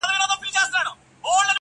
غبرګون نه دی پارولی